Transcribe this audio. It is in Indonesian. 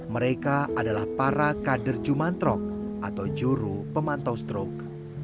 mereka adalah para kader jumantrok atau juru pemantau stroke